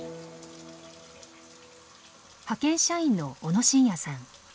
派遣社員の小野真也さん。